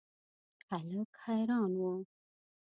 هلک حیران و.